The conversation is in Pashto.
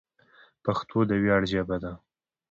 پښتو د ویاړ ژبه ده.